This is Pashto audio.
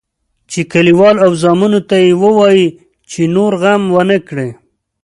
چې کلیوال او زامنو ته یې ووایي چې نور غم ونه کړي.